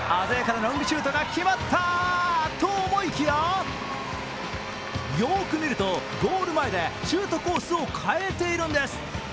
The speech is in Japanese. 鮮やかなロングシュートが決まったと思いきや、よーく見ると、ゴール前でシュートコースを変えているんです。